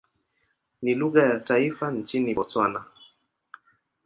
Ni lugha ya taifa nchini Botswana.